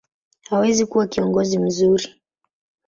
hawezi kuwa kiongozi mzuri.